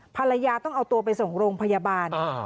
ภรรยาต้องเอาตัวไปส่งโรงพยาบาล